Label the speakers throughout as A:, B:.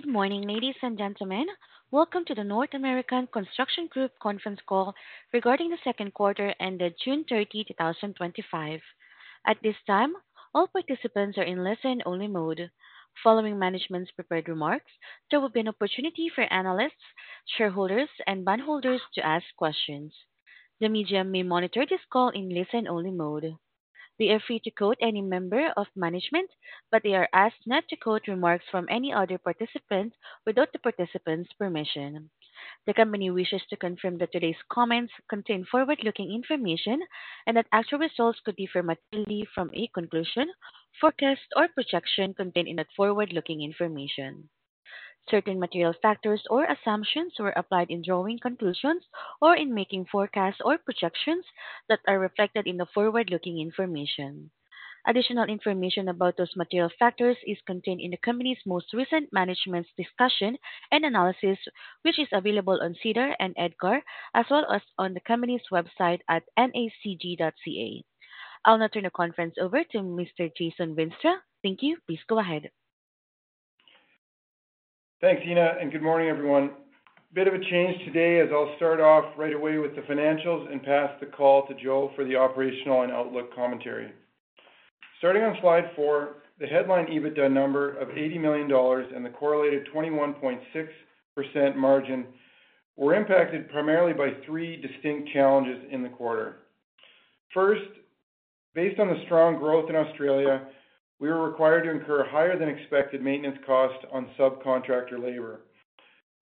A: Good morning, ladies and gentlemen. Welcome to the North American Construction Group Conference Call Regarding the Second Quarter Ended June 30, 2025. At this time, all participants are in listen-only mode. Following management's prepared remarks, there will be an opportunity for analysts, shareholders, and bondholders to ask questions. The media may monitor this call in listen-only mode. We are free to quote any member of management, but they are asked not to quote remarks from any other participant without the participant's permission. The company wishes to confirm that today's comments contain forward-looking information and that actual results could differ materially from a conclusion, forecast, or projection contained in that forward-looking information. Certain material factors or assumptions were applied in drawing conclusions or in making forecasts or projections that are reflected in the forward-looking information. Additional information about those material factors is contained in the company's most recent management's discussion and analysis, which is available on SEDAR and EDGAR, as well as on the company's website at nacg.ca. I'll now turn the conference over to Mr. Jason Veenstra. Thank you. Please go ahead.
B: Thanks, Dina, and good morning, everyone. A bit of a change today as I'll start off right away with the financials and pass the call to Joe for the operational and outlook commentary. Starting on slide four, the headline EBITDA number of $80 million and the correlated 21.6% margin were impacted primarily by three distinct challenges in the quarter. First, based on the strong growth in Australia, we were required to incur higher than expected maintenance costs on subcontractor labor.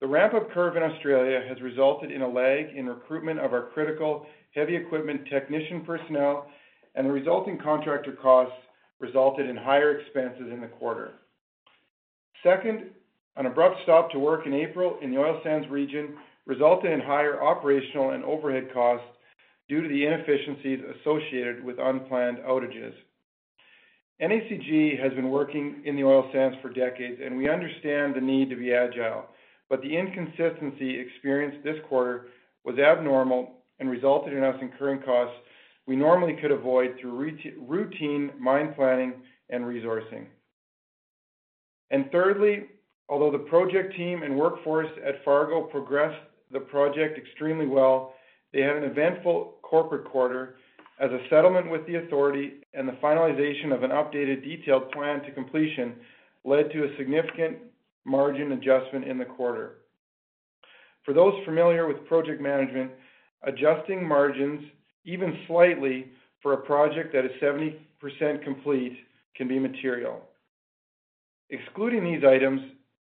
B: The ramp-up curve in Australia has resulted in a lag in recruitment of our critical heavy equipment technician personnel, and the resulting contractor costs resulted in higher expenses in the quarter. Second, an abrupt stop to work in April in the oil sands region resulted in higher operational and overhead costs due to the inefficiencies associated with unplanned outages. NAGC has been working in the oil sands for decades, and we understand the need to be agile, but the inconsistency experienced this quarter was abnormal and resulted in us incurring costs we normally could avoid through routine mine planning and resourcing. Thirdly, although the project team and workforce at Fargo progressed the project extremely well, they had an eventful corporate quarter as a settlement with the authority, and the finalization of an updated detailed plan to completion led to a significant margin adjustment in the quarter. For those familiar with project management, adjusting margins even slightly for a project that is 70% complete can be material. Excluding these items,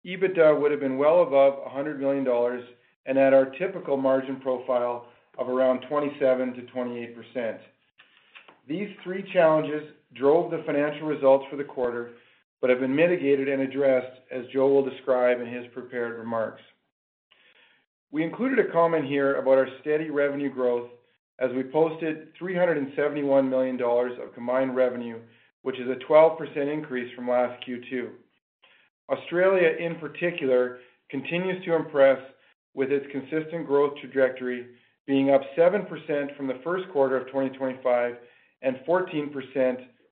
B: EBITDA would have been well above $100 million and at our typical margin profile of around 27%-28%. These three challenges drove the financial results for the quarter but have been mitigated and addressed as Joe will describe in his prepared remarks. We included a comment here about our steady revenue growth as we posted $371 million of combined revenue, which is a 12% increase from last Q2. Australia in particular continues to impress with its consistent growth trajectory being up 7% from the first quarter of 2025 and 14%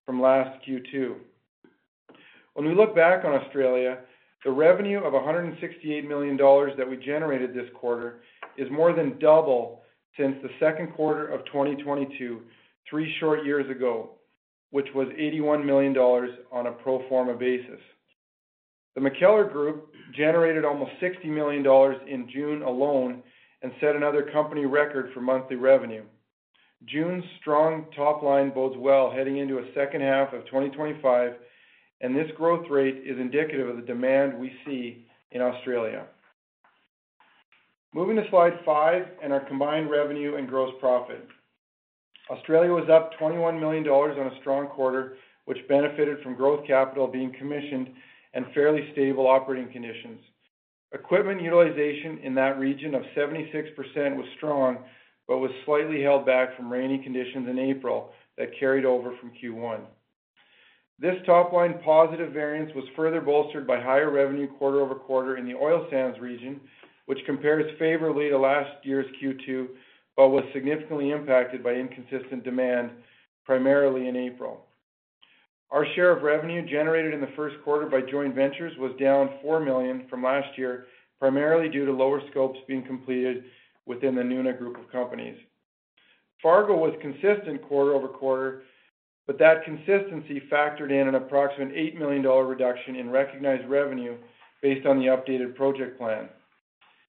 B: from last Q2. When we look back on Australia, the revenue of $168 million that we generated this quarter is more than double since the second quarter of 2022, three short years ago, which was $81 million on a pro forma basis. The MacKellar Group generated almost $60 million in June alone and set another company record for monthly revenue. June's strong top line bodes well heading into a second half of 2025, and this growth rate is indicative of the demand we see in Australia. Moving to slide five and our combined revenue and gross profits. Australia was up $21 million on a strong quarter, which benefited from growth capital being commissioned and fairly stable operating conditions. Equipment utilization in that region of 76% was strong but was slightly held back from rainy conditions in April that carried over from Q1. This top line positive variance was further bolstered by higher revenue quarter-over-quarter in the oil sands region, which compares favorably to last year's Q2 but was significantly impacted by inconsistent demand, primarily in April. Our share of revenue generated in the first quarter by joint ventures was down $4 million from last year, primarily due to lower scopes being completed within the Nuna Group of Companies. Fargo was consistent quarter over quarter, but that consistency factored in an approximate $8 million reduction in recognized revenue based on the updated project plan.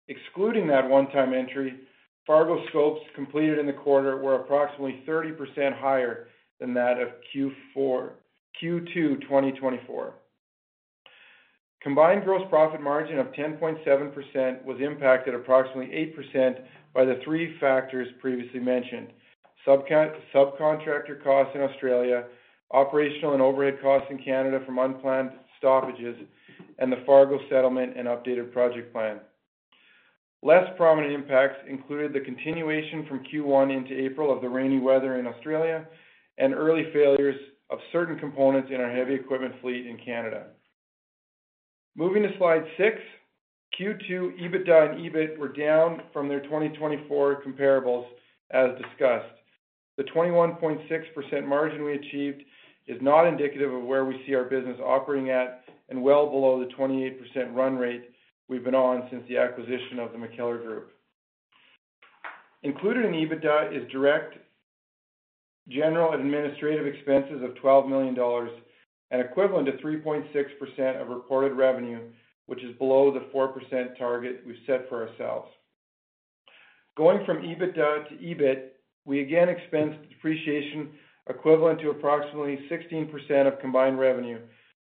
B: Excluding that one-time entry, Fargo's scopes completed in the quarter were approximately 30% higher than that of Q2 2024. Combined gross profit margin of 10.7% was impacted approximately 8% by the three factors previously mentioned: subcontractor costs in Australia, operational and overhead costs in Canada from unplanned stoppages, and the Fargo settlement and updated project plan. Less prominent impacts included the continuation from Q1 into April of the rainy weather in Australia and early failures of certain components in our heavy equipment fleet in Canada. Moving to slide six, Q2 EBITDA and EBIT were down from their 2024 comparables as discussed. The 21.6% margin we achieved is not indicative of where we see our business operating at and well below the 28% run rate we've been on since the acquisition of the MacKellar Group. Included in EBITDA is direct general and administrative expenses of $12 million, an equivalent of 3.6% of reported revenue, which is below the 4% target we've set for ourselves. Going from EBITDA to EBIT, we again expense depreciation equivalent to approximately 16% of combined revenue,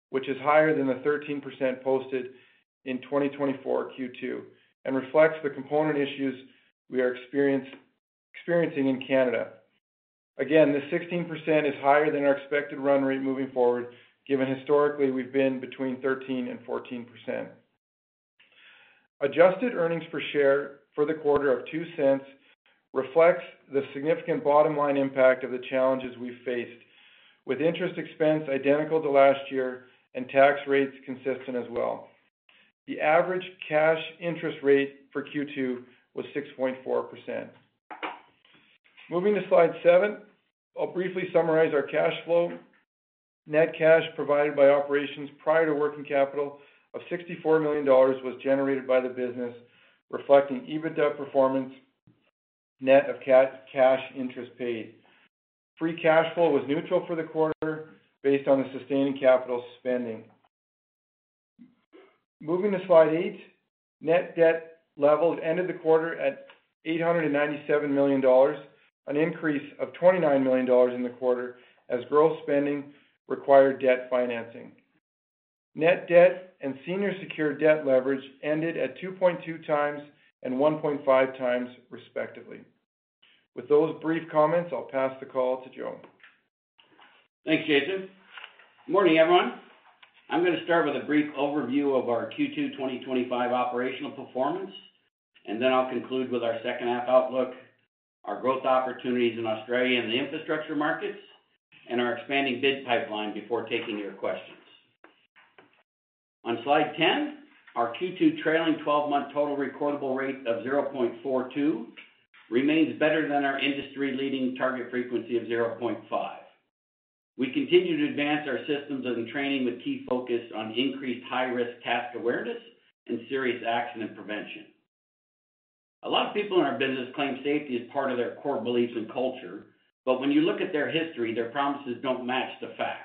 B: which is higher than the 13% posted in 2024 Q2 and reflects the component issues we are experiencing in Canada. Again, this 16% is higher than our expected run rate moving forward, given historically we've been between 13 and 14%.Adjusted earnings per share for the quarter of $0.02 reflects the significant bottom line impact of the challenges we've faced, with interest expense identical to last year and tax rates consistent as well. The average cash interest rate for Q2 was 6.4%. Moving to slide seven, I'll briefly summarize our cash flow. Net cash provided by operations prior to working capital of $64 million was generated by the business, reflecting EBITDA performance, net of cash interest paid. Free cash flow was neutral for the quarter based on the sustained capital spending. Moving to slide eight, net debt levels ended the quarter at $897 million, an increase of $29 million in the quarter as gross spending required debt financing. Net debt and senior secured debt leverage ended at 2.2x and 1.5x, respectively. With those brief comments, I'll pass the call to Joe.
C: Thanks, Jason. Morning, everyone. I'm going to start with a brief overview of our Q2 2025 operational performance, and then I'll conclude with our second half outlook, our growth opportunities in Australia and the infrastructure markets, and our expanding bid pipeline before taking your questions. On slide 10, our Q2 trailing 12-month total recordable rate of 0.42 remains better than our industry-leading target frequency of 0.5. We continue to advance our systems and training with key focus on increased high-risk task awareness and serious accident prevention. A lot of people in our business claim safety as part of their core beliefs and culture, but when you look at their history, their promises don't match the facts.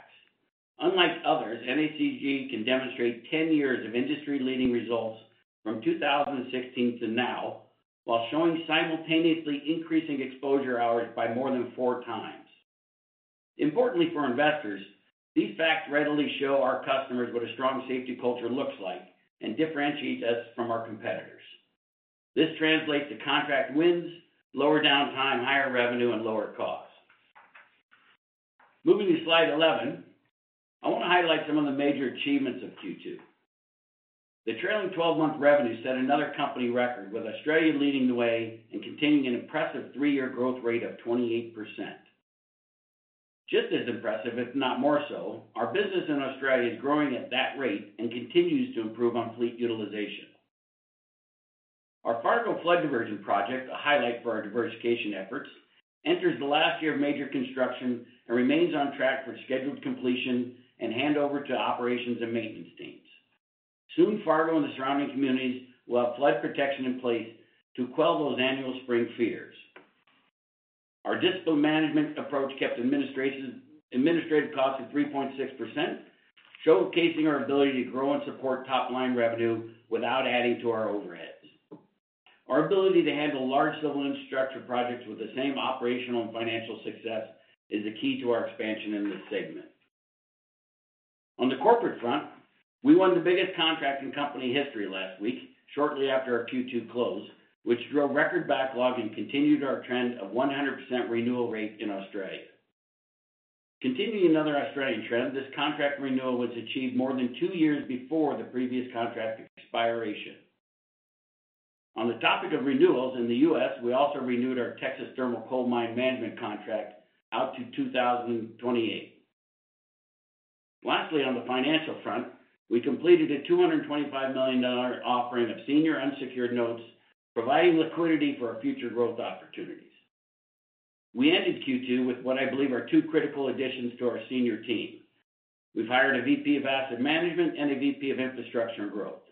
C: Unlike others, NACG can demonstrate 10 years of industry-leading results from 2016 to now while showing simultaneously increasing exposure hours by more than 4x. Importantly for investors, these facts readily show our customers what a strong safety culture looks like and differentiate us from our competitors. This translates to contract wins, lower downtime, higher revenue, and lower costs. Moving to slide 11, I want to highlight some of the major achievements of Q2. The trailing 12-month revenue set another company record, with Australia leading the way and containing an impressive three-year growth rate of 28%. Just as impressive, if not more so, our business in Australia is growing at that rate and continues to improve on fleet utilization. Our Fargo flood diversion project, a highlight for our diversification efforts, enters the last year of major construction and remains on track for scheduled completion and handover to operations and maintenance teams. Soon, Fargo and the surrounding communities will have flood protection in place to quell those annual spring fears. Our discipline management approach kept administrative costs at 3.6%, showcasing our ability to grow and support top line revenue without adding to our overheads. Our ability to handle large civil infrastructure projects with the same operational and financial success is the key to our expansion in this segment. On the corporate front, we won the biggest contract in company history last week, shortly after our Q2 close, which drove record backlog and continued our trend of 100% renewal rate in Australia. Continuing another Australian trend, this contract renewal was achieved more than two years before the previous contract expiration. On the topic of renewals in the U.S., we also renewed our Texas Thermal Coal Mine Management contract out to 2028. Lastly, on the financial front, we completed a $225 million offering of senior unsecured notes, providing liquidity for our future growth opportunities. We ended Q2 with what I believe are two critical additions to our senior team. We've hired a VP of Asset Management and a VP of Infrastructure and Growth.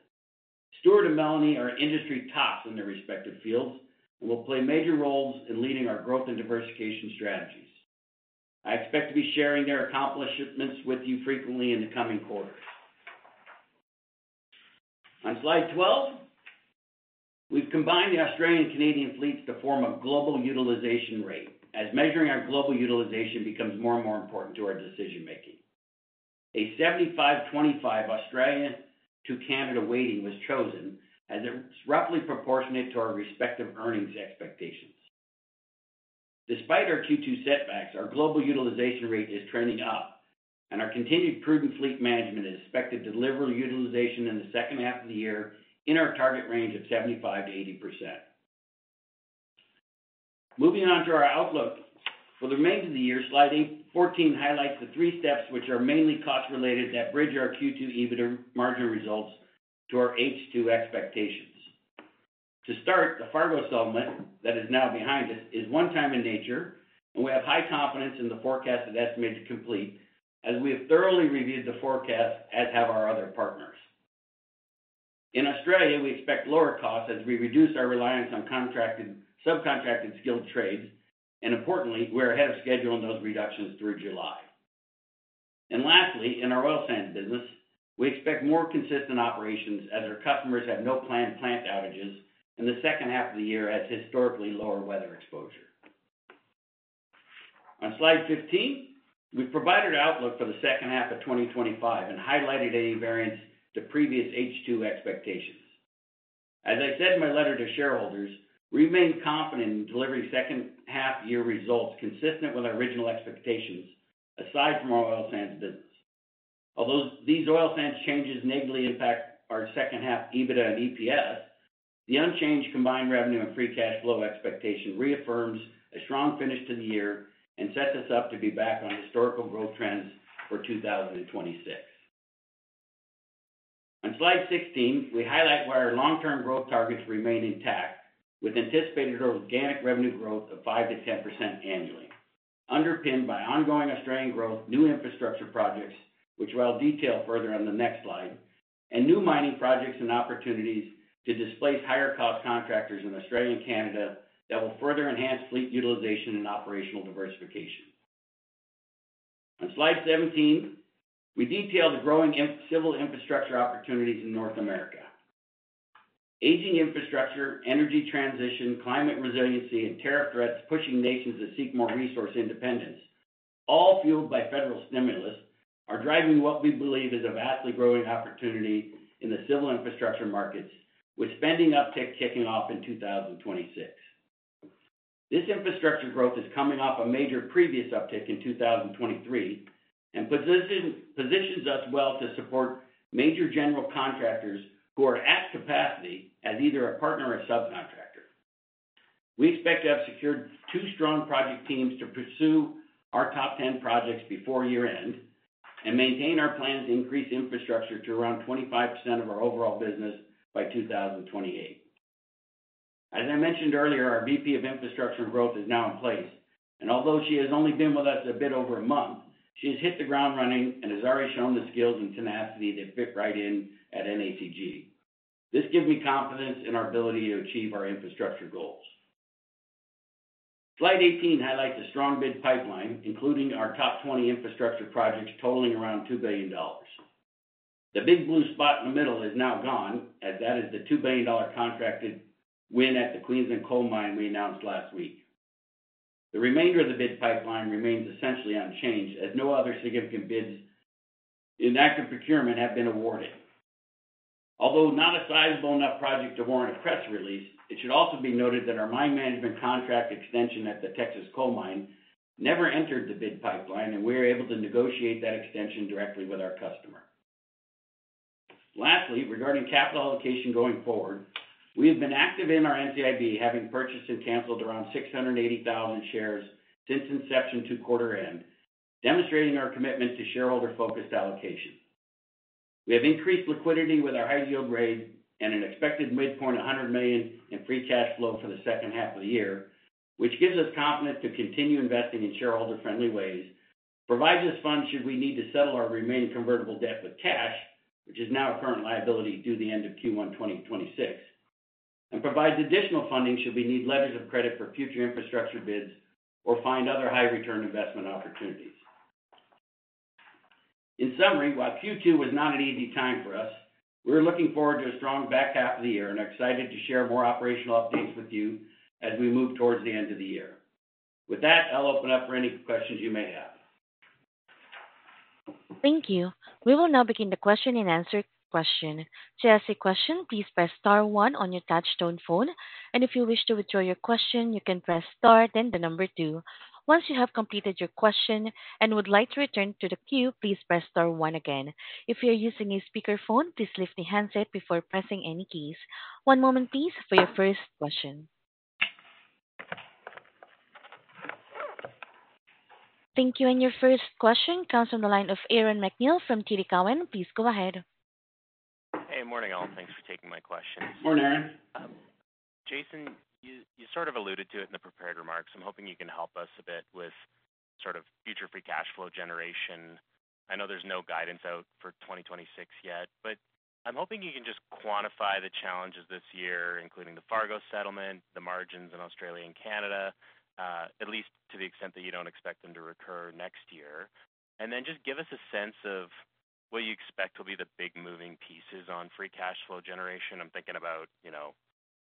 C: Stuart and Melanie are industry tops in their respective fields and will play major roles in leading our growth and diversification strategies. I expect to be sharing their accomplishments with you frequently in the coming quarters. On slide 12, we've combined the Australian and Canadian fleets to form a global utilization rate as measuring our global utilization becomes more and more important to our decision-making. A 75/25 Australian to Canada weighting was chosen as it is roughly proportionate to our respective earnings expectations. Despite our Q2 setbacks, our global utilization rate is trending up, and our continued prudent fleet management is expected to deliver utilization in the second half of the year in our target range of 75%-80%. Moving on to our outlook for the remainder of the year, slide 14 highlights the three steps which are mainly cost-related that bridge our Q2 EBITDA margin results to our H2 expectations. To start, the Fargo settlement that is now behind us is one-time in nature, and we have high confidence in the forecast that's made to complete as we have thoroughly reviewed the forecast as have our other partners. In Australia, we expect lower costs as we reduce our reliance on subcontracted skilled trades, and importantly, we're ahead of schedule in those reductions through July. Lastly, in our oil sand business, we expect more consistent operations as our customers have no planned plant outages in the second half of the year as historically lower weather exposure. On slide 15, we've provided an outlook for the second half of 2025 and highlighted any variance to previous H2 expectations. As I said in my letter to shareholders, we remain confident in delivering second half year results consistent with our original expectations, aside from our oil sands business. Although these oil sands changes negatively impact our second half EBITDA and EPS, the unchanged combined revenue and free cash flow expectation reaffirms a strong finish to the year and sets us up to be back on historical growth trends for 2026. On slide 16, we highlight why our long-term growth targets remain intact, with anticipated organic revenue growth of 5-10% annually, underpinned by ongoing Australian growth, new infrastructure projects, which I'll detail further on the next slide, and new mining projects and opportunities to displace higher cost contractors in Australia and Canada that will further enhance fleet utilization and operational diversification. On slide 17, we detail the growing civil infrastructure opportunities in North America. Aging infrastructure, energy transition, climate resiliency, and tariff threats pushing nations to seek more resource independence, all fueled by federal stimulus, are driving what we believe is a vastly growing opportunity in the civil infrastructure markets, with spending uptick kicking off in 2026. This infrastructure growth is coming off a major previous uptick in 2023 and positions us well to support major general contractors who are at capacity as either a partner or a subcontractor. We expect to have secured two strong project teams to pursue our top 10 projects before year end and maintain our plans to increase infrastructure to around 25% of our overall business by 2028. As I mentioned earlier, our VP of Infrastructure and Growth is now in place, and although she has only been with us a bit over a month, she has hit the ground running and has already shown the skills and tenacity to fit right in at NACG. This gives me confidence in our ability to achieve our infrastructure goals. Slide 18 highlights a strong bid pipeline, including our top 20 infrastructure projects totaling around $2 billion. The big blue spot in the middle is now gone, as that is the $2 billion contracted win at the Cleveland Coal Mine we announced last week. The remainder of the bid pipeline remains essentially unchanged as no other significant bids in that procurement have been awarded. Although not a sizable enough project to warrant a press release, it should also be noted that our mine management contract extension at the Texas Coal Mine never entered the bid pipeline, and we were able to negotiate that extension directly with our customer. Lastly, regarding capital allocation going forward, we have been active in our NCIB, having purchased and canceled around 680,000 shares since inception to quarter end, demonstrating our commitment to shareholder-focused allocation. We have increased liquidity with our high-yield rate and an expected midpoint of $100 million in free cash flow for the second half of the year, which gives us confidence to continue investing in shareholder-friendly ways.It provides us funds should we need to settle our remaining convertible debt of cash, which is now a current liability due to the end of Q1 2026, and provides additional funding should we need letters of credit for future infrastructure bids or find other high-return investment opportunities. In summary, while Q2 was not an easy time for us, we're looking forward to a strong back half of the year and are excited to share more operational updates with you as we move towards the end of the year. With that, I'll open up for any questions you may have.
A: Thank you. We will now begin the question-and-answer session. To ask a question, please press star one on your touch-tone phone, and if you wish to withdraw your question, you can press star, then the number two. Once you have completed your question and would like to return to the queue, please press star one again. If you're using a speakerphone, please lift your handset before pressing any keys. One moment, please, for your first question. Thank you, and your first question comes from the line of Aaron McNeill from TD Cowen. Please go ahead.
D: Hey, morning all. Thanks for taking my question.
B: Morning, Aaron.
D: Jason, you sort of alluded to it in the prepared remarks. I'm hoping you can help us a bit with sort of future free cash flow generation. I know there's no guidance out for 2026 yet, but I'm hoping you can just quantify the challenges this year, including the Fargo settlement, the margins in Australia and Canada, at least to the extent that you don't expect them to recur next year. Just give us a sense of what you expect will be the big moving pieces on free cash flow generation. I'm thinking about, you know,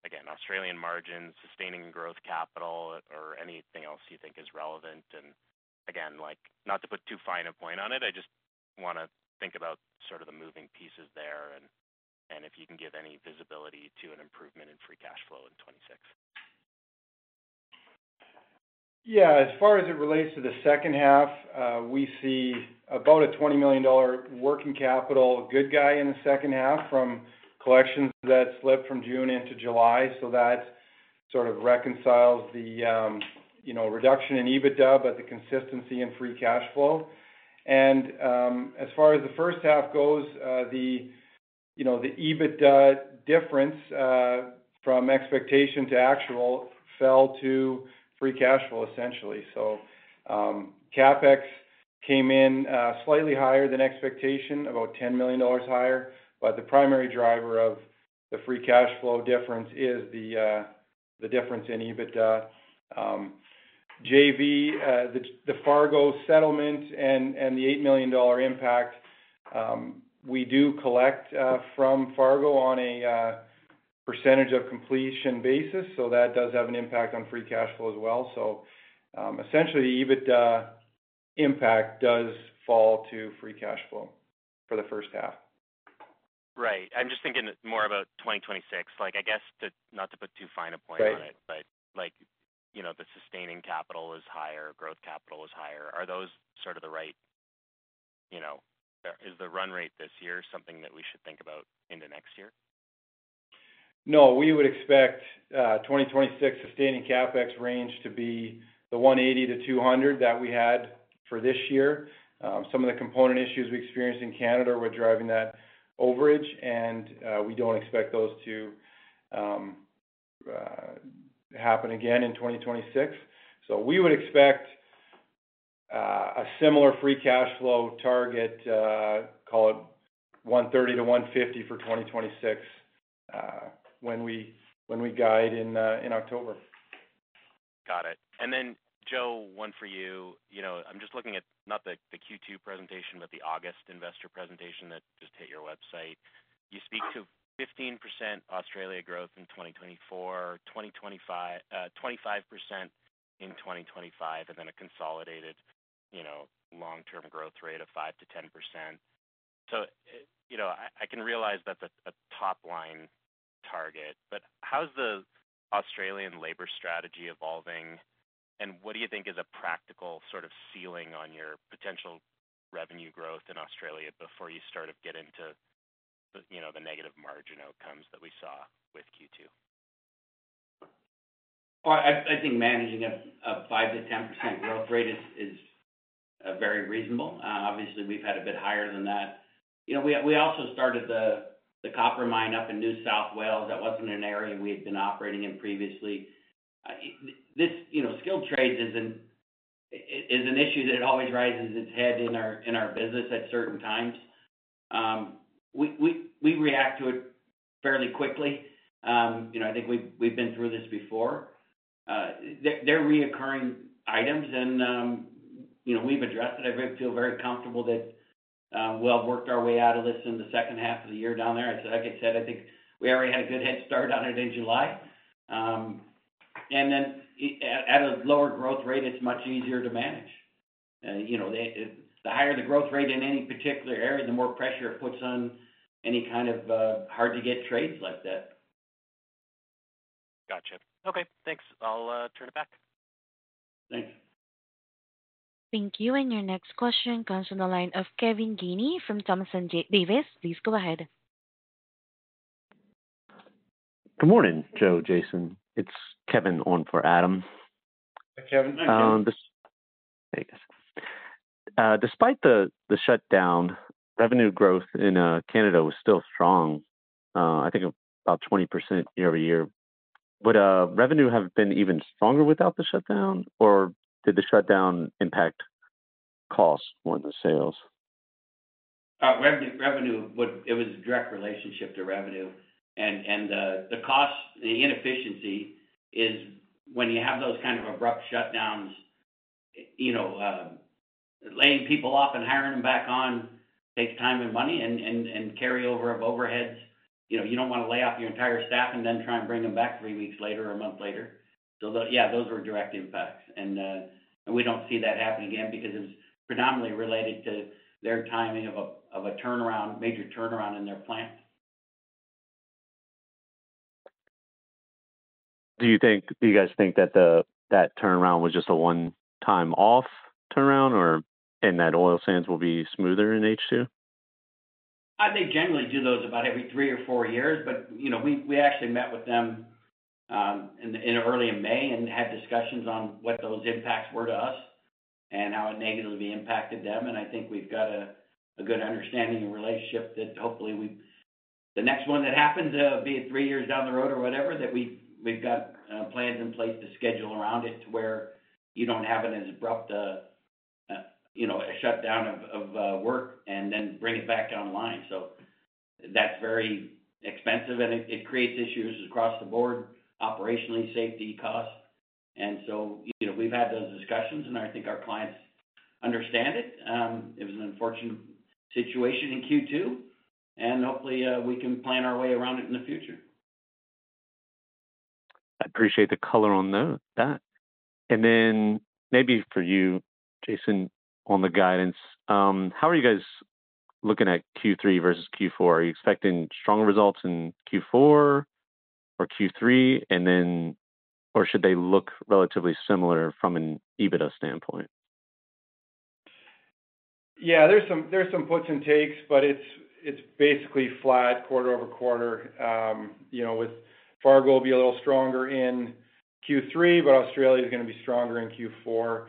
D: again, Australian margins, sustaining growth capital, or anything else you think is relevant. Again, like not to put too fine a point on it, I just want to think about sort of the moving pieces there and if you can give any visibility to an improvement in free cash flow in 2026.
B: As far as it relates to the second half, we see about a $20 million working capital good guy in the second half from collections that slipped from June into July. That sort of reconciles the reduction in EBITDA, but the consistency in free cash flow. As far as the first half goes, the EBITDA difference from expectation to actual fell to free cash flow, essentially. CAPEX came in slightly higher than expectation, about $10 million higher, but the primary driver of the free cash flow difference is the difference in EBITDA. JV, the Fargo settlement and the $8 million impact, we do collect from Fargo on a percentage of completion basis, so that does have an impact on free cash flow as well. Essentially, the EBITDA impact does fall to free cash flow for the first half.
D: Right. I'm just thinking more about 2026. I guess not to put too fine a point on it, but, you know, the sustaining capital is higher, growth capital is higher. Are those sort of the right, you know, is the run rate this year something that we should think about into next year?
B: No, we would expect the 2026 sustaining CAPEX range to be the $180 million-$200 million that we had for this year. Some of the component issues we experienced in Canada were driving that overage, and we don't expect those to happen again in 2026. We would expect a similar free cash flow target, call it $130 million-$150 million for 2026, when we guide in October.
D: Got it. Joe, one for you. I'm just looking at not the Q2 presentation, but the August Investor Presentation that just hit your website. You speak to 15% Australia growth in 2024, 25% in 2025, and then a consolidated long-term growth rate of 5%-10%. I realize that's a top line target, but how's the Australian labor strategy evolving, and what do you think is a practical sort of ceiling on your potential revenue growth in Australia before you get into the negative margin outcomes that we saw with Q2?
C: I think managing a 5%-10% growth rate is very reasonable. Obviously, we've had a bit higher than that. You know, we also started the copper mine up in New South Wales. That wasn't an area we had been operating in previously. Skilled trades is an issue that always rises its head in our business at certain times. We react to it fairly quickly. I think we've been through this before. They're reoccurring items, and we've addressed it. I feel very comfortable that we'll have worked our way out of this in the second half of the year down there. Like I said, I think we already had a good head start on it in July. At a lower growth rate, it's much easier to manage. The higher the growth rate in any particular area, the more pressure it puts on any kind of hard-to-get trades like that.
D: Gotcha. Okay, thanks. I'll turn it back.
C: Thanks.
A: Thank you. Your next question comes from the line of Kevin Geaney from Thomson Davis. Please go ahead.
E: Good morning, Joe, Jason. It's Kevin on for Adam. Despite the shutdown, revenue growth in Canada was still strong. I think about 20% year-over-year. Would revenue have been even stronger without the shutdown, or did the shutdown impact costs more than sales?
C: Revenue, it was a direct relationship to revenue. The cost and the inefficiency is when you have those kind of abrupt shutdowns, laying people off and hiring them back on takes time and money and carryover of overheads. You don't want to lay off your entire staff and then try and bring them back three weeks later or a month later. Those were direct impacts. We don't see that happening again because it was predominantly related to their timing of a major turnaround in their plant.
E: Do you think that turnaround was just a one-time off turnaround, or that oil sands will be smoother in H2?
C: I think generally we do those about every three or four years, but we actually met with them in early May and had discussions on what those impacts were to us and how it negatively impacted them. I think we've got a good understanding and relationship that hopefully the next one that happens to be three years down the road or whatever, we've got plans in place to schedule around it to where you don't have an abrupt shutdown of work and then bring it back online. That's very expensive and it creates issues across the board, operationally, safety costs. We've had those discussions and I think our clients understand it. It was an unfortunate situation in Q2 and hopefully we can plan our way around it in the future.
E: I appreciate the color on that. Maybe for you, Jason, on the guidance, how are you guys looking at Q3 versus Q4? Are you expecting strong results in Q4 or Q3? Should they look relatively similar from an EBITDA standpoint?
B: Yeah, there's some puts and takes, but it's basically flat quarter-over-quarter. You know, with Fargo will be a little stronger in Q3, but Australia is going to be stronger in Q4.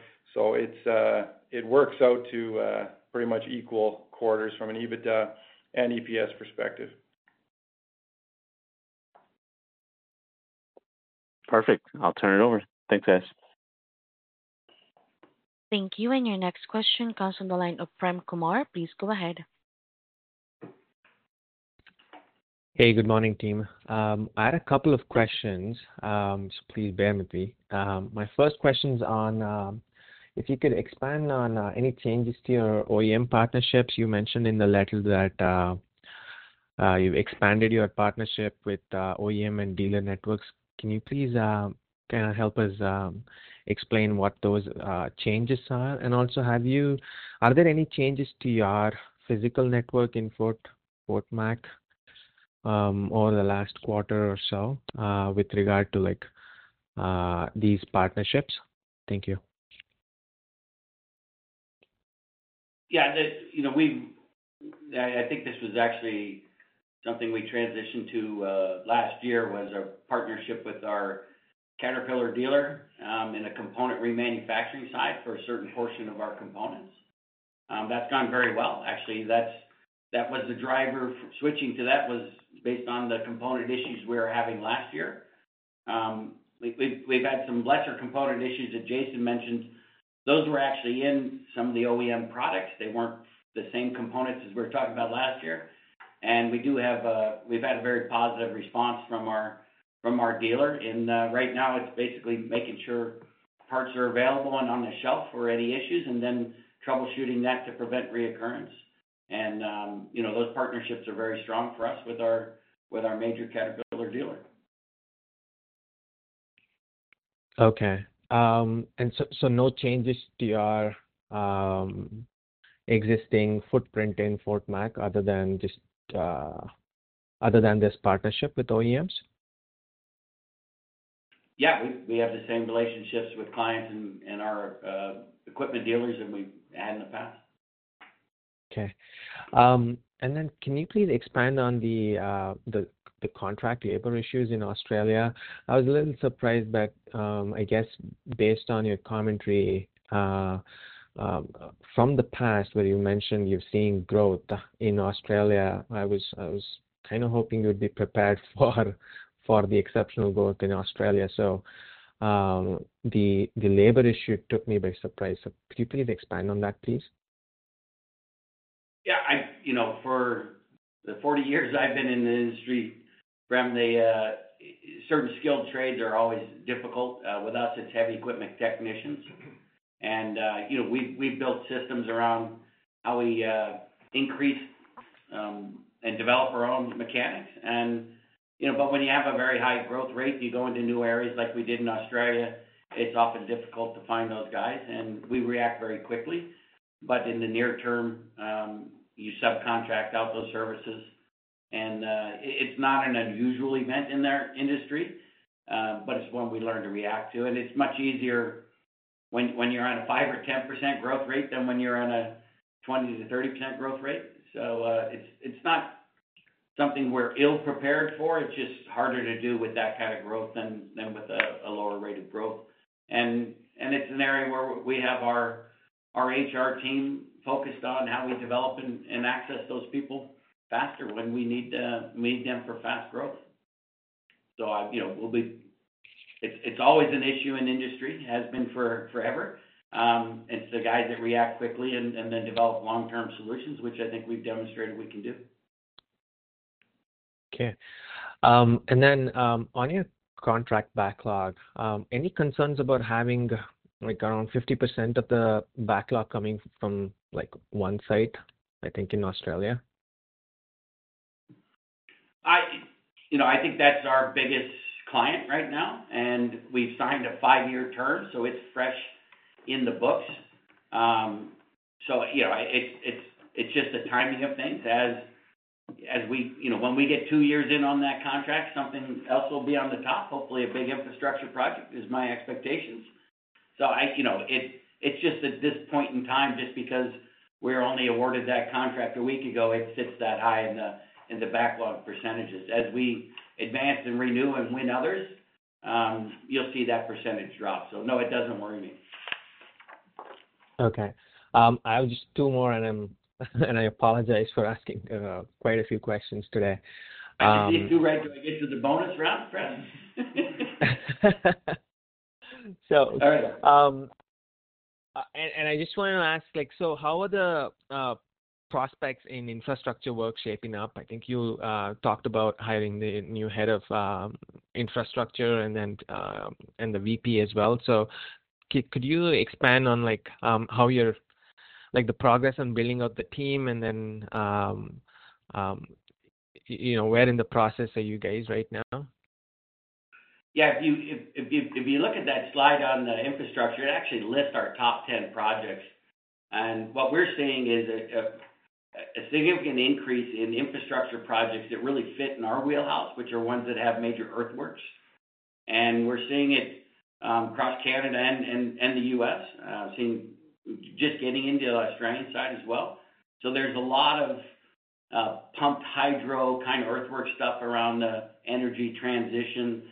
B: It works out to pretty much equal quarters from an EBITDA and EPS perspective.
E: Perfect. I'll turn it over. Thanks, guys.
A: Thank you. Your next question comes from the line of Prem Kumar. Please go ahead.
F: Hey, good morning, team. I had a couple of questions, so please bear with me. My first question is on if you could expand on any changes to your OEM partnerships. You mentioned in the letter that you've expanded your partnership with OEM and dealer networks. Can you please kind of help us explain what those changes are? Also, are there any changes to your physical network in Fort Mac over the last quarter or so with regard to these partnerships? Thank you.
C: Yeah, you know, I think this was actually something we transitioned to last year was a partnership with our Caterpillar dealer in a component remanufacturing side for a certain portion of our components. That's gone very well, actually. That was the driver for switching to that was based on the component issues we were having last year. We've had some lesser component issues that Jason mentioned. Those were actually in some of the OEM products. They weren't the same components as we were talking about last year. We do have, we've had a very positive response from our dealer. Right now, it's basically making sure parts are available and on the shelf for any issues and then troubleshooting that to prevent reoccurrence. You know, those partnerships are very strong for us with our major Caterpillar dealer.
F: Okay. No changes to your existing footprint in Fort Mac other than this partnership with OEMs?
C: Yeah, we have the same relationships with clients and our equipment dealers that we've had in the past.
F: Okay. Can you please expand on the contract labor issues in Australia? I was a little surprised, I guess, based on your commentary from the past where you mentioned you've seen growth in Australia. I was kind of hoping you would be prepared for the exceptional growth in Australia. The labor issue took me by surprise. Could you please expand on that, please?
C: Yeah, you know, for the 40 years I've been in the industry, the service skilled trades are always difficult. With us, it's heavy equipment technicians. We've built systems around how we increase and develop our own mechanics. When you have a very high growth rate, you go into new areas like we did in Australia, it's often difficult to find those guys. We react very quickly. In the near term, you subcontract out those services. It's not an unusual event in the industry, but it's one we learn to react to. It's much easier when you're on a 5% or 10% growth rate than when you're on a 20%-30% growth rate. It's not something we're ill-prepared for. It's just harder to do with that kind of growth than with a lower rate of growth. It's an area where we have our HR team focused on how we develop and access those people faster when we need them for fast growth. It's always an issue in industry, has been for forever. It's the guys that react quickly and then develop long-term solutions, which I think we've demonstrated we can do.
F: Okay. On your contract backlog, any concerns about having around 50% of the backlog coming from one site, I think in Australia?
C: I think that's our biggest client right now, and we've signed a five-year term, so it's fresh in the books. It's just the timing of things. When we get two years in on that contract, something else will be on the top. Hopefully, a big infrastructure project is my expectation. At this point in time, just because we were only awarded that contract a week ago, it sits that high in the backlog percentage. As we advance and renew and win others, you'll see that percentage drop. No, it doesn't worry me.
F: Okay. I'll just do more. I apologize for asking quite a few questions today.
C: You're ready to get to the bonus round, Fred?
F: I just wanted to ask, how are the prospects in infrastructure work shaping up? I think you talked about hiring the new Head of Infrastructure and then the VP as well. Could you expand on how you're the progress on building up the team and then, you know, where in the process are you guys right now?
C: Yeah, if you look at that slide on the infrastructure, it actually lists our top 10 projects. What we're seeing is a significant increase in infrastructure projects that really fit in our wheelhouse, which are ones that have major earthworks. We're seeing it across Canada and the U.S., seeing just getting into the Australian side as well. There's a lot of pumped hydro kind of earthwork stuff around the energy transition.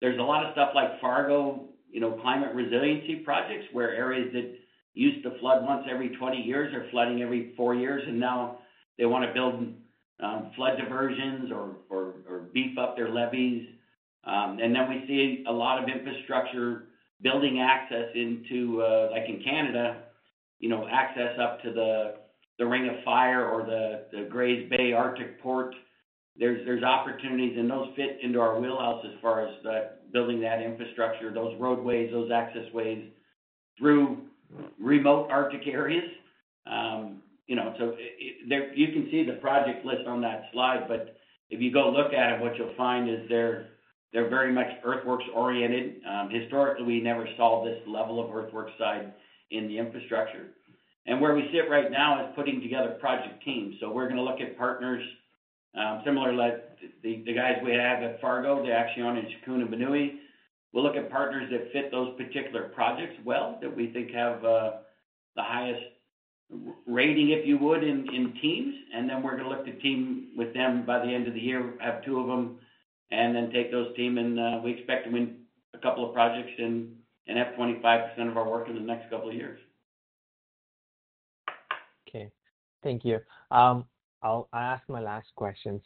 C: There's a lot of stuff like Fargo, you know, climate resiliency projects where areas that used to flood once every 20 years are flooding every four years. Now they want to build flood diversions or beef up their levees. We see a lot of infrastructure building access into, like in Canada, you know, access up to the Ring of Fire or the Grays Bay Arctic port. There's opportunities, and those fit into our wheelhouse as far as building that infrastructure, those roadways, those access ways through remote Arctic areas. You can see the project list on that slide, but if you go look at them, what you'll find is they're very much earthworks-oriented. Historically, we never saw this level of earthwork side in the infrastructure. Where we sit right now is putting together project teams. We're going to look at partners similar to the guys we have at Fargo. They actually own a schooner balloon. We'll look at partners that fit those particular projects well that we think have the highest rating, if you would, in teams. We're going to look at a team with them by the end of the year. I have two of them. Then take those teams, and we expect to win a couple of projects and have 25% of our work in the next couple of years.
F: Okay. Thank you. I'll ask my last question.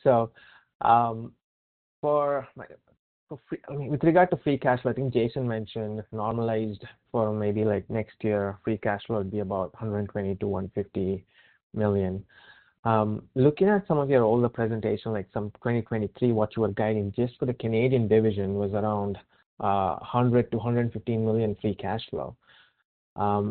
F: With regard to free cash flow, I think Jason mentioned normalized for maybe like next year, free cash flow would be about $120 million-$150 million. Looking at some of your older presentations, like some 2023, what you were guiding just for the Canadian division was around $100 to $115 million free cash flow.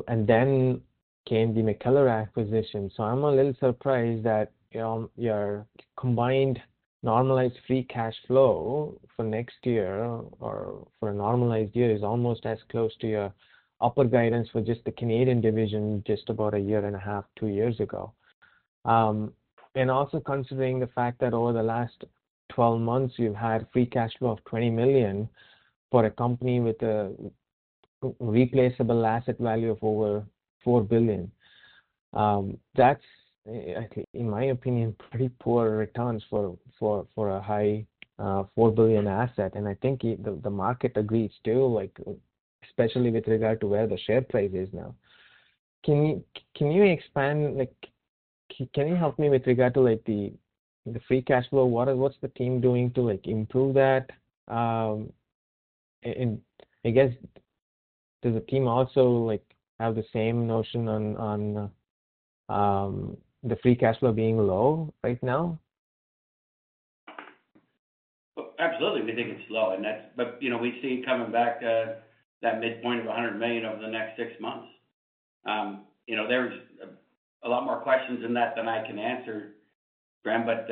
F: Then came the MacKellar acquisition. I'm a little surprised that your combined normalized free cash flow for next year or for a normalized year is almost as close to your upper guidance for just the Canadian division just about a year and a half, two years ago. Also considering the fact that over the last 12 months, you've had free cash flow of $20 million for a company with a replaceable asset value of over $4 billion. That's, in my opinion, pretty poor returns for a high $4 billion asset. I think the market agrees too, especially with regard to where the share price is now. Can you expand, can you help me with regard to the free cash flow? What's the team doing to improve that? I guess, does the team also have the same notion on the free cash flow being low right now?
C: Absolutely. We think it's low. That's, but you know, we see it coming back to that midpoint of $100 million over the next six months. You know, there's a lot more questions in that than I can answer, Prem, but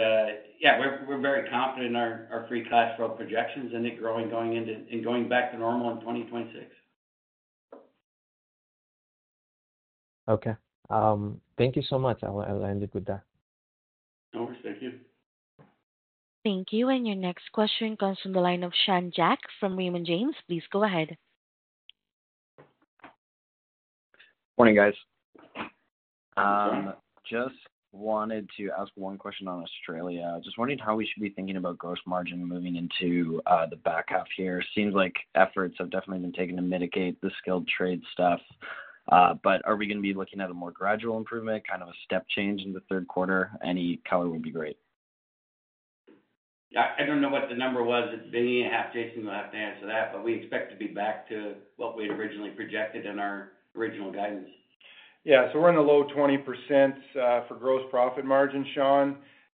C: yeah, we're very confident in our free cash flow projections and it growing, going into and going back to normal in 2026.
F: Okay, thank you so much. I'll end it with that.
C: No worries. Thank you.
A: Thank you. Your next question comes from the line of Sean Jack from Raymond James. Please go ahead.
G: Morning, guys. I just wanted to ask one question on Australia. I was just wondering how we should be thinking about gross margin moving into the back half here. It seems like efforts have definitely been taken to mitigate the skilled trade stuff. Are we going to be looking at a more gradual improvement, kind of a step change in the third quarter? Any color would be great.
C: Yeah, I don't know what the number was. It'll be half, Jason, you'll have to answer that. We expect to be back to what we'd originally projected in our original guidance.
B: Yeah, we're in the low 20% for gross profit margin, Sean.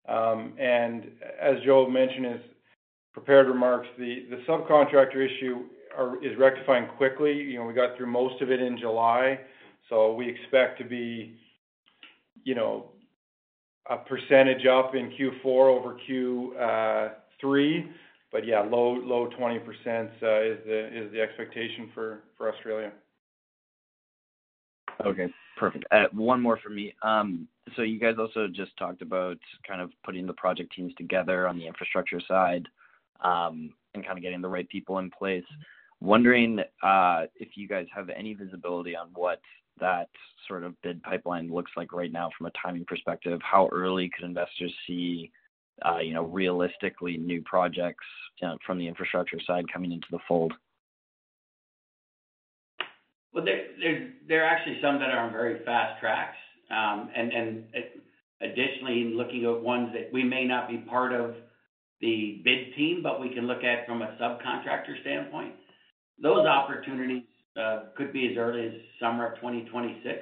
B: As Joe mentioned in his prepared remarks, the subcontractor issue is rectifying quickly. We got through most of it in July. We expect to be a percentage up in Q4 over Q3. Low 20% is the expectation for Australia.
G: Okay, perfect. One more for me. You guys also just talked about kind of putting the project teams together on the infrastructure side and kind of getting the right people in place. Wondering if you guys have any visibility on what that sort of bid pipeline looks like right now from a timing perspective. How early could investors see, you know, realistically new projects from the infrastructure side coming into the fold?
C: There are actually some that are on very fast tracks. Additionally, in looking at ones that we may not be part of the bid team, but we can look at from a subcontractor standpoint, those opportunities could be as early as summer of 2026.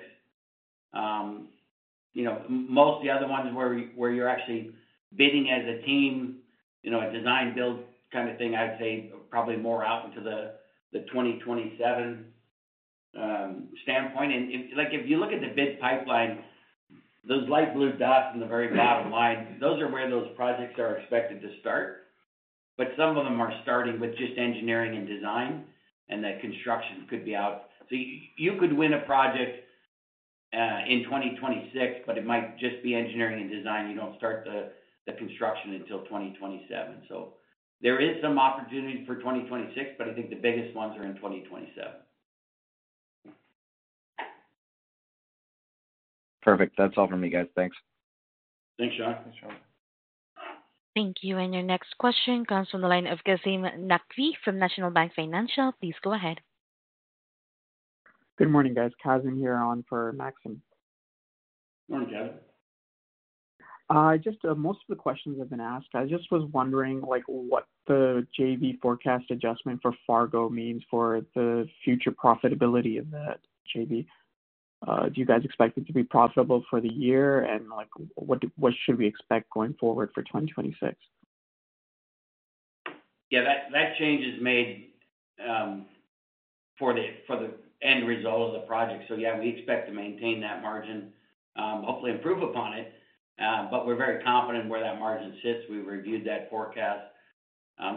C: Most of the other ones where you're actually bidding as a team, a design-build kind of thing, I'd say probably more out into the 2027 standpoint. If you look at the bid pipeline, those light blue dots in the very bottom line, those are where those projects are expected to start. Some of them are starting with just engineering and design, and that construction could be out. You could win a project in 2026, but it might just be engineering and design. You don't start the construction until 2027. There is some opportunity for 2026, but I think the biggest ones are in 2027.
G: Perfect. That's all from me, guys. Thanks.
C: Thanks, Sean.
A: Thank you. Your next question comes from the line of Kazim Naqvi from National Bank Financial. Please go ahead.
H: Good morning, guys. Kazim here on for Kazim Nakvi.
C: Morning, Kazim.
H: Most of the questions have been asked. I just was wondering what the JV forecast adjustment for Fargo means for the future profitability of that JV. Do you guys expect it to be profitable for the year? What should we expect going forward for 2026?
C: Yeah, that change is made for the end result of the project. We expect to maintain that margin, hopefully improve upon it. We're very confident in where that margin sits. We reviewed that forecast.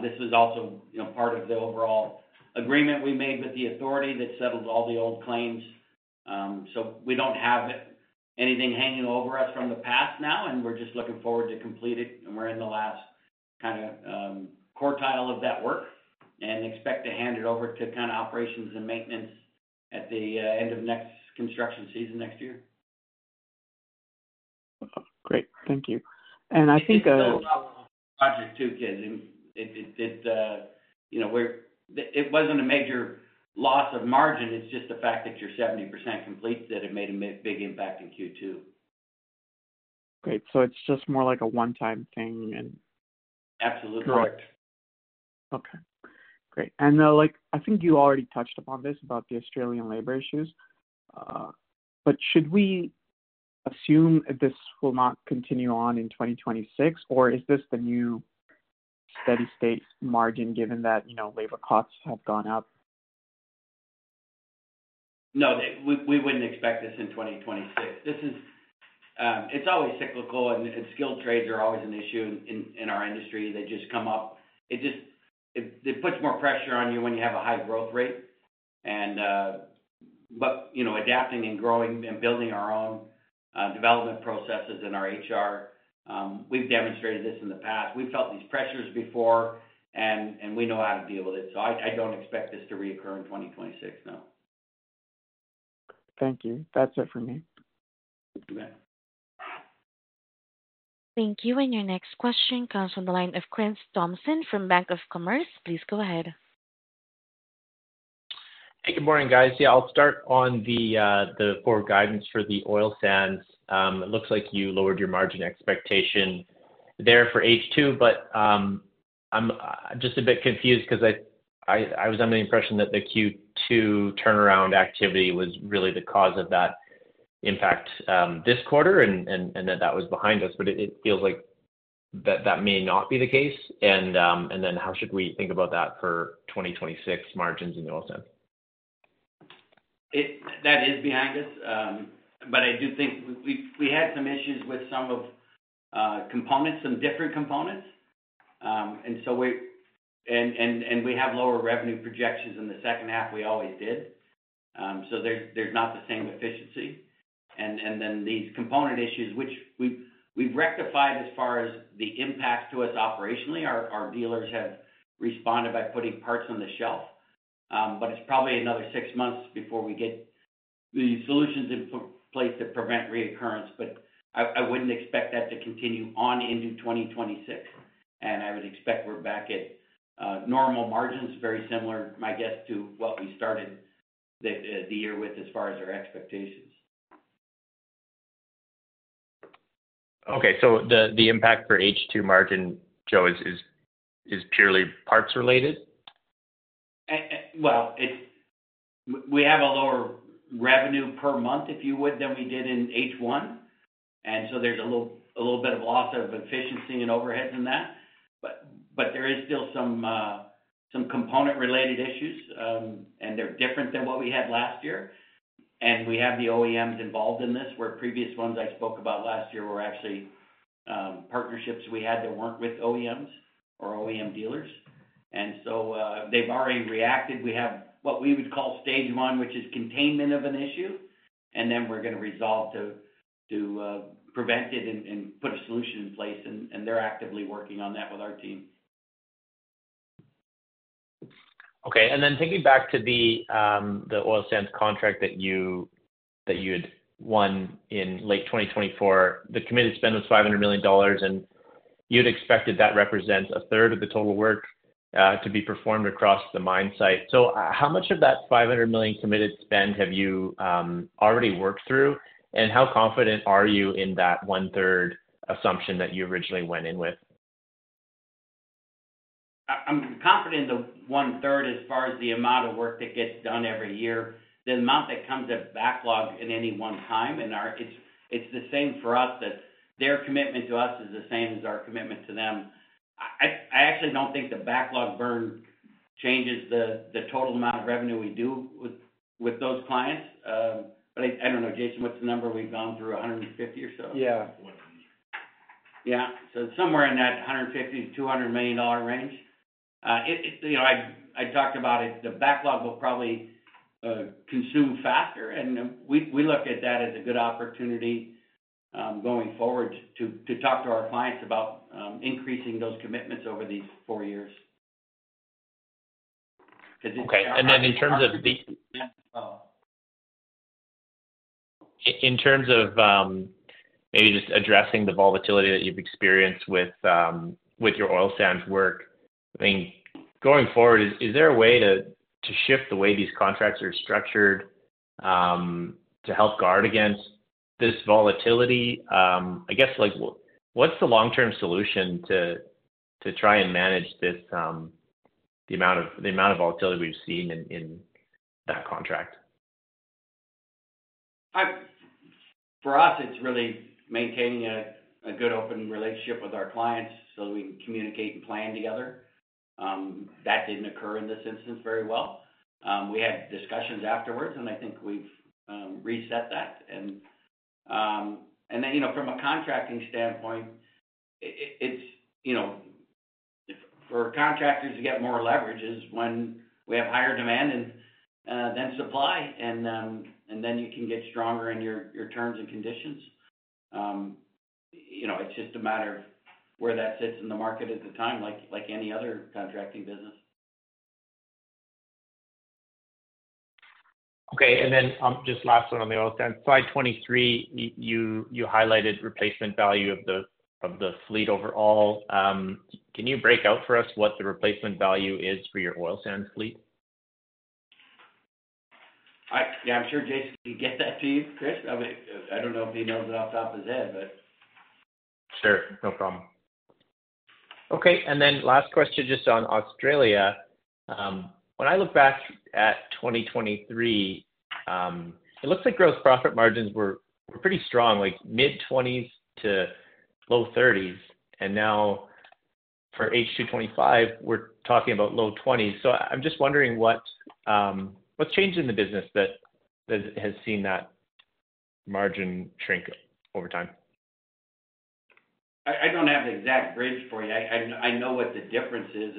C: This was also part of the overall agreement we made with the authority that settled all the old claims. We don't have anything hanging over us from the past now, and we're just looking forward to complete it. We're in the last kind of quartile of that work and expect to hand it over to operations and maintenance at the end of next construction season next year.
H: Great, thank you. I think.
C: That was our project too, Kazim. It wasn't a major loss of margin. It's just the fact that you're 70% complete that it made a big impact in Q2.
H: Great, it's just more like a one-time thing.
C: Absolutely correct.
H: Okay. Great. I think you already touched upon this about the Australian labor issues. Should we assume that this will not continue on in 2026, or is this the new steady-state margin given that, you know, labor costs have gone up?
C: No, we wouldn't expect this in 2026. It's always cyclical, and skilled trades are always an issue in our industry. They just come up. It just puts more pressure on you when you have a high growth rate, but you know, adapting and growing and building our own development processes in our HR, we've demonstrated this in the past. We've felt these pressures before, and we know how to deal with it. I don't expect this to reoccur in 2026, no.
H: Thank you. That's it for me.
A: Thank you. Your next question comes from the line of Krantz Thompson from Bank of Commerce. Please go ahead.
I: Good morning, guys. I'll start on the guidance for the oil sands. It looks like you lowered your margin expectation there for H2, but I'm just a bit confused because I was under the impression that the Q2 turnaround activity was really the cause of that impact this quarter and that was behind us. It feels like that may not be the case. How should we think about that for 2026 margins in the oil sands?
C: That is behind us. I do think we had some issues with some components, some different components. We have lower revenue projections in the second half, we always did. There is not the same efficiency, and these component issues, which we've rectified as far as the impacts to us operationally, our dealers have responded by putting parts on the shelf. It is probably another six months before we get the solutions in place to prevent reoccurrence. I wouldn't expect that to continue on into 2026. I would expect we're back at normal margins, very similar, my guess, to what we started the year with as far as our expectations.
I: Okay. The impact for H2 margin, Joe, is purely parts related?
C: We have a lower revenue per month, if you would, than we did in H1, and so there's a little bit of loss of efficiency and overheads in that. There is still some component-related issues, and they're different than what we had last year. We have the OEMs involved in this, where previous ones I spoke about last year were actually partnerships we had that weren't with OEMs or OEM dealers. They've already reacted. We have what we would call stage one, which is containment of an issue, and then we're going to resolve to prevent it and put a solution in place. They're actively working on that with our team.
I: Okay. Thinking back to the oil sands contract that you had won in late 2024, the committed spend was $500 million. You'd expected that represents a third of the total work to be performed across the mine site. How much of that $500 million committed spend have you already worked through? How confident are you in that one-third assumption that you originally went in with?
C: I'm confident in the one-third as far as the amount of work that gets done every year, the amount that comes off backlog at any one time. It's the same for us that their commitment to us is the same as our commitment to them. I actually don't think the backlog burn changes the total amount of revenue we do with those clients. I don't know, Jason, what's the number we've gone through, $150 million or so?
B: Yeah.
C: Yeah, it's somewhere in that $150 million-$200 million range. I talked about it. The backlog will probably consume faster, and we look at that as a good opportunity going forward to talk to our clients about increasing those commitments over these four years.
I: Okay. In terms of maybe just addressing the volatility that you've experienced with your oil sands work, I think going forward, is there a way to shift the way these contracts are structured to help guard against this volatility? I guess, like what's the long-term solution to try and manage the amount of volatility we've seen in that contract?
C: For us, it's really maintaining a good, open relationship with our clients so that we can communicate and plan together. That didn't occur in this instance very well. We had discussions afterwards, and I think we've reset that. From a contracting standpoint, it's for contractors to get more leverage when we have higher demand than supply, and then you can get stronger in your terms and conditions. It's just a matter of where that sits in the market at the time, like any other contracting business.
I: Okay. Just last one on the oil sands. Slide 23, you highlighted the replacement value of the fleet overall. Can you break out for us what the replacement value is for your oil sands fleet?
C: Yeah, I'm sure Jason can get that to you, Krantz. I don't know if he knows it off the top of his head.
I: Sure. No problem. Okay. Last question just on Australia. When I look back at 2023, it looks like gross profit margins were pretty strong, like mid-20% to low 30%. Now for H2 2025, we're talking about low 20%. I'm just wondering, what's changed in the business that has seen that margin shrink over time?
C: I don't have the exact bridge for you. I know what the difference is.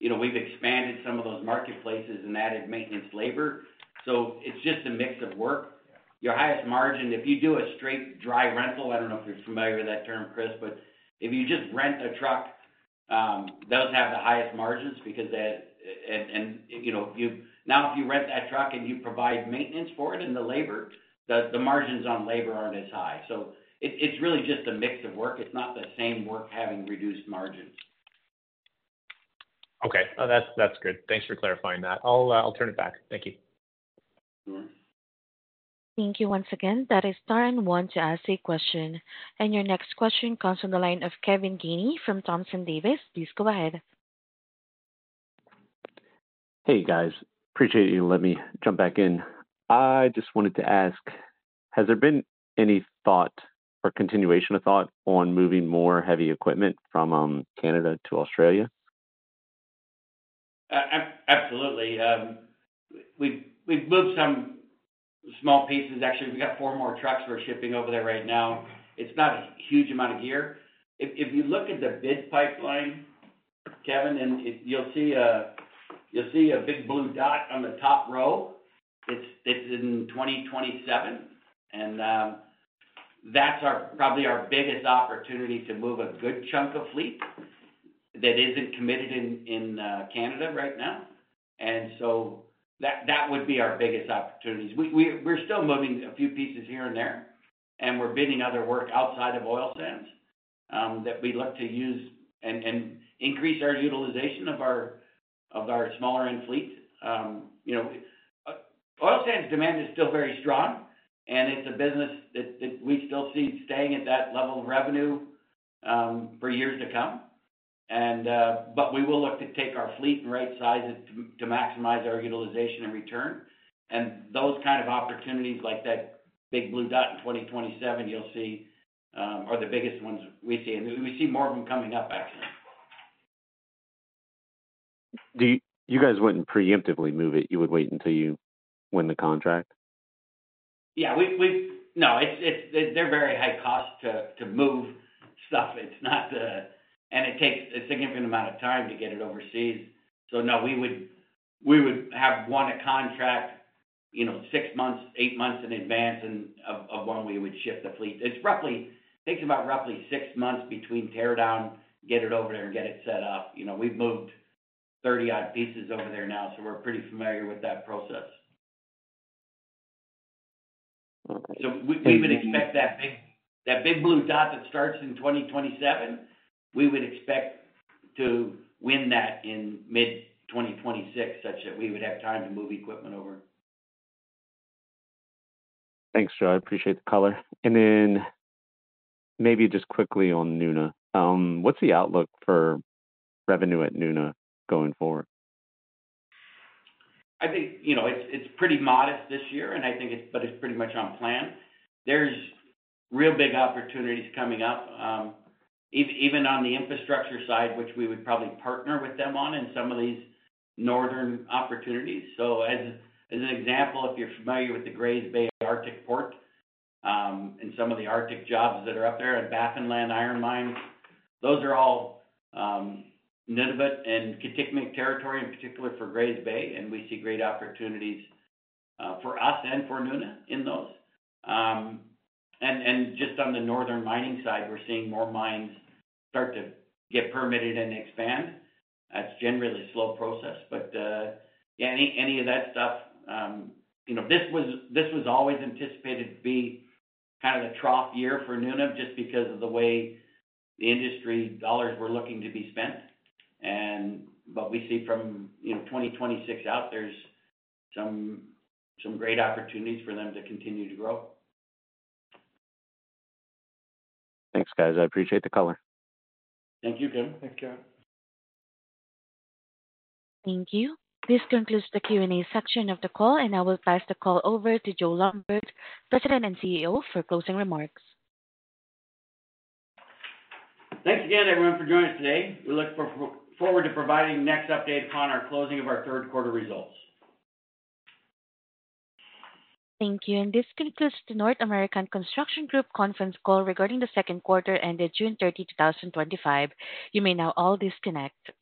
C: We've expanded some of those marketplaces and added maintenance labor. It's just a mix of work. Your highest margin, if you do a straight dry rental, I don't know if you're familiar with that term, Chris, but if you just rent a truck, it does have the highest margins because that, if you rent that truck and you provide maintenance for it and the labor, the margins on labor aren't as high. It's really just a mix of work. It's not the same work having reduced margins.
I: Okay, that's good. Thanks for clarifying that. I'll turn it back. Thank you.
A: Thank you once again. That is star and one to ask a question. Your next question comes from the line of Kevin Gaineyfrom Thomson Davis. Please go ahead.
E: Hey, guys. Appreciate you letting me jump back in. I just wanted to ask, has there been any thought or continuation of thought on moving more heavy equipment from Canada to Australia?
C: Absolutely. We've moved some small pieces. Actually, we've got four more trucks we're shipping over there right now. It's not a huge amount of gear. If you look at the bid pipeline, Kevin, you'll see a big blue dot on the top row. It's in 2027, and that's probably our biggest opportunity to move a good chunk of fleet that isn't committed in Canada right now. That would be our biggest opportunities. We're still moving a few pieces here and there, and we're bidding other work outside of oil sands that we look to use and increase our utilization of our smaller end fleet. Oil sands demand is still very strong, and it's a business that we still see staying at that level of revenue for years to come. We will look to take our fleet and right-size it to maximize our utilization and return. Those kind of opportunities like that big blue dot in 2027 you'll see are the biggest ones we see, and we see more of them coming up after that.
E: You guys wouldn't preemptively move it. You would wait until you win the contract?
C: Yeah, they're very high cost to move stuff. It's not the, and it takes a significant amount of time to get it overseas. No, we would have won a contract, you know, six months, eight months in advance of when we would shift the fleet. It takes about roughly six months between tear down, get it over there, and get it set up. You know, we've moved 30-odd pieces over there now, so we're pretty familiar with that process.
E: Okay.
C: We would expect that big blue dot that starts in 2027, we would expect to win that in mid-2026, such that we would have time to move equipment over.
E: Thanks, Joe. I appreciate the color. Maybe just quickly on Nuna, what's the outlook for revenue at Nuna going forward?
C: I think, you know, it's pretty modest this year, and I think it's, but it's pretty much on plan. There's real big opportunities coming up, even on the infrastructure side, which we would probably partner with them on in some of these northern opportunities. For example, if you're familiar with the Grays Bay Arctic port and some of the Arctic jobs that are up there, Baffinland Iron Mines, those are all Nunavut and Kitikmeot territory, in particular for Grays Bay. We see great opportunities for us and for Nuna in those. Just on the northern mining side, we're seeing more mines start to get permitted and expand. That's generally a slow process. This was always anticipated to be kind of the trough year for Nuna just because of the way the industry dollars were looking to be spent. We see from 2026 out, there's some great opportunities for them to continue to grow.
E: Thanks, guys. I appreciate the color.
C: Thank you, Kevin.
B: Thanks, Kevin.
A: Thank you. This concludes the Q&A section of the call, and I will pass the call over to Joe Lambert, President and CEO, for closing remarks.
C: Thanks again, everyone, for joining us today. We look forward to providing next updates on our closing of our third quarter results.
A: Thank you. This concludes the North American Construction Group Conference Call Regarding the Second Quarter Ended June 30, 2025. You may now all disconnect.